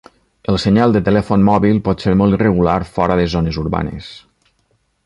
El senyal del telèfon mòbil pot ser molt irregular fora de zones urbanes